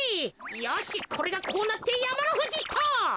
よしこれがこうなってやまのふじっと！